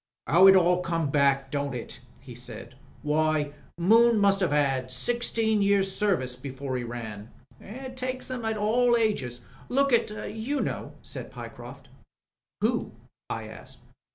"How it all comes back, don't it?" he said. "Why Moon must 'ave 'ad sixteen years' service before he ran." "It takes 'em at all ages. Look at — ^you know," said Pyecroft. "Who?" I asked.